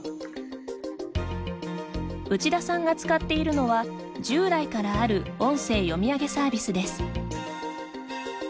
内田さんが使っているのは従来からある音声読み上げサービスです。